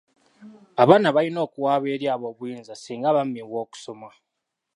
Abaana balina okuwaaba eri ab'obuyinza singa bammibwa okusoma.